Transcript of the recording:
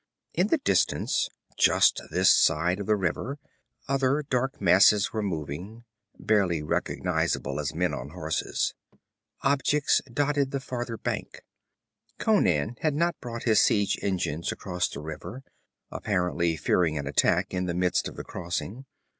In the distance, just this side of the river, other dark masses were moving, barely recognizable as men on horses. Objects dotted the farther bank; Conan had not brought his siege engines across the river, apparently fearing an attack in the midst of the crossing.